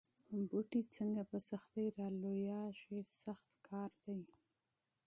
بوټی څنګه په سختۍ را لویېږي سخت کار دی.